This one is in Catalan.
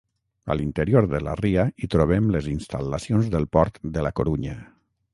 A l'interior de la ria hi trobem les instal·lacions del port de la Corunya.